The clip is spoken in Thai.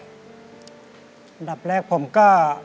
อันดับแรกผมก็